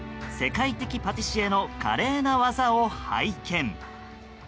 世界的パティシエの華麗な技を拝見。